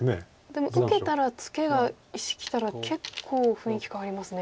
でも受けたらツケが石きたら結構雰囲気変わりますね。